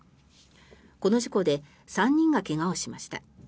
この事故で３人が怪我をしました。